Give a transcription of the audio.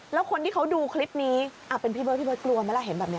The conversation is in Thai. แล้วคนที่เขาดูคลิปนี้เป็นพี่เบิร์พี่เบิร์ดกลัวไหมล่ะเห็นแบบนี้